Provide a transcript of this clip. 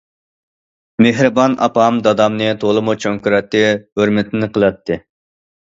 مېھرىبان ئاپام دادامنى تولىمۇ چوڭ كۆرەتتى، ھۆرمىتىنى قىلاتتى.